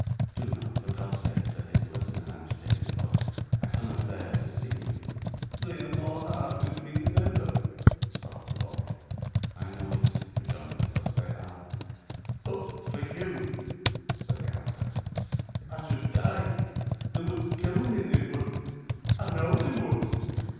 'Do not for God's sake,' said Nicholas, in an agitated voice; 'I cannot bear to see you.' 'They are more hard with me than ever,' sobbed the boy. 'I know it,' rejoined Nicholas. 'They are.' 'But for you,' said the outcast, 'I should die. They would kill me; they would; I know they would.